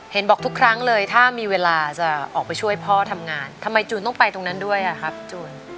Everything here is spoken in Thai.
เห็นบอกทุกครั้งเลยถ้ามีเวลาจะออกไปช่วยพ่อทำงานทำไมจูนต้องไปตรงนั้นด้วยอ่ะครับจูน